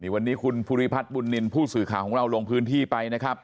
วันนี้คุณภูริพัฒน์บุญนินทร์ผู้สื่อข่าวของเราลงพื้นที่ไปนะครับ